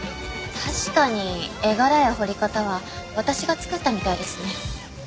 確かに絵柄や彫り方は私が作ったみたいですね。